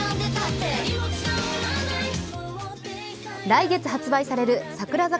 来月発売される櫻坂